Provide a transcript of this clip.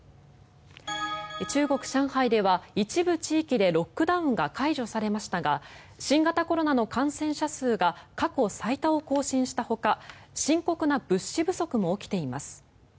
中国・上海では一部地域でロックダウンが解除されましたが新型コロナの感染者数が過去最多を更新したほか深刻な物資不足も起きています。